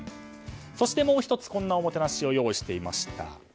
そしてもう１つこんなおもてなしを用意していました。